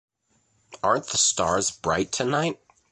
Aren’t the stars bright tonight?